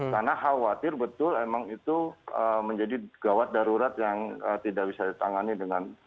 karena khawatir betul emang itu menjadi gawat darurat yang tidak bisa ditangani dengan